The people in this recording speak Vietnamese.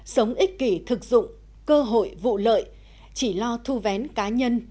sống ích kỷ thực dụng cơ hội vụ lợi chỉ lo thu vén cá nhân